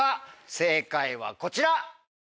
正解はこちら。